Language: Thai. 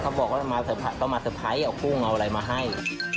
เขาบอกว่าเขามาเตอร์ไพรส์เอากุ้งเอาอะไรมาให้